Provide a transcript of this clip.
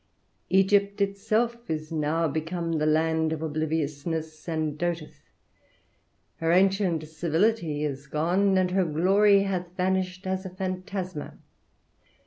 Egypt itself is now become the land of obliviousness, and doteth. Her ancient civility is gone, and her glory hath vanished as a phantasma.